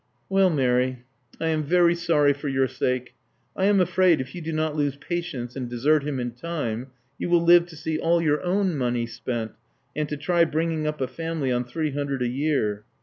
'* Well, Mary, I am very sorry for your sake. I am afraid, if you do not lose patience and desert him in time, you will live to see all your own money spent, and to try bringing up a family on three hundred a year.